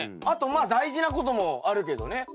あとまあ大事なこともあるけどね。